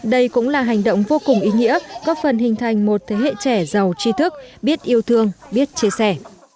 đây cũng là hành động vô cùng ý nghĩa góp phần hình thành một thế hệ trẻ giàu tri thức biết yêu thương biết chia sẻ